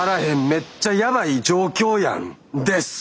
めっちゃヤバい状況やんです！